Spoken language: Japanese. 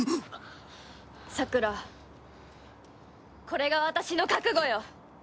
さくらこれが私の覚悟よ！